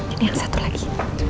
ini yang satu lagi